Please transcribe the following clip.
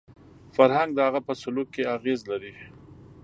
فرهنګ د هغه په سلوک کې اغېز لري